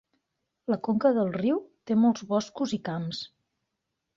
La conca del riu té molts boscos i camps.